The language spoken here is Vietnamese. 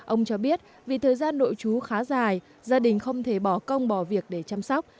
ông cho biết vì thời gian nội chú khá dài gia đình không thể bỏ công bỏ việc để chăm sóc